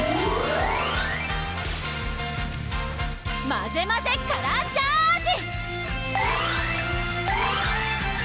まぜまぜカラーチャージ！